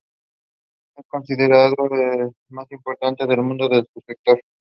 Es considerado el más importante del mundo en su sector.